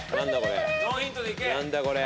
何だこれ。